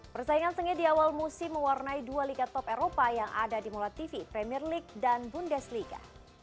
persaingan sengit di awal musim mewarnai dua liga top eropa yang ada di mula tv premier league dan bundesliga